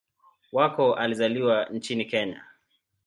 Wako alizaliwa nchini Kenya.